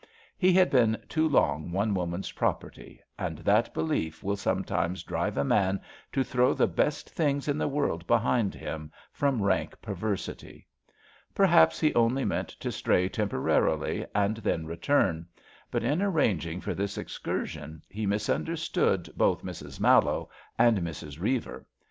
He had been too long one woman's property; and that belief will some times drive a man to throw the best things in the world behind him, from rank perversity. Per haps he only meant to stray temporarily and then return, but in arranging for this excursion he mis SUPPLEMENTAEY CHAPTER 153 understood both Mrs. Mallowe and Mrs. Reiver.